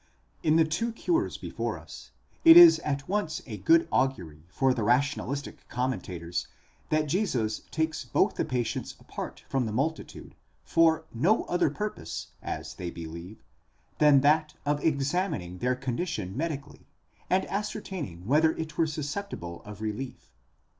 : _In the two cures before us, it is at once a good augury for the rationalistic commentators that Jesus takes both the patients apart from the multitude, for no other purpose, as they believe, than that of examining their condition medically, and ascertaining whether it were susceptible of relief.